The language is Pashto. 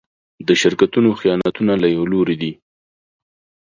د شرکتونو خیانتونه له يوه لوري دي.